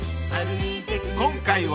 ［今回は］